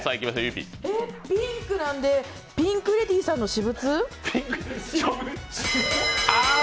ピンクなんで、ピンクレディーさんの私物？